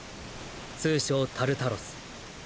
通称「タルタロス」